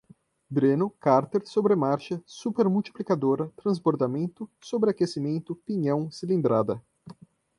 dreno, cárter, sobremarcha, supermultiplicadora, transbordamento, sobreaquecimento, pinhão, cilindrada